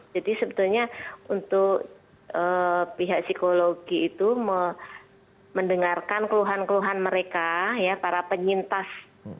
jadi sebetulnya untuk pihak psikologi itu mendengarkan keluhan keluhan mereka ya para penyintas